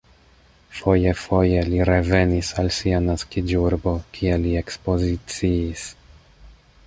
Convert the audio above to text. Foje-foje li revenis al sia naskiĝurbo, kie li ekspoziciis.